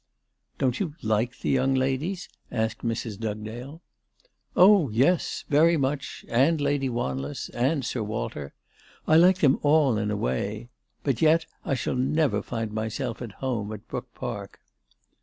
" Don't you like the young ladies ?" asked Mrs. Dugdale. " Oh, yes ; very much ; and Lady Wanless ; and Sir Walter. I like them all, in a way. But yet I shall never find myself at home at Brook Park."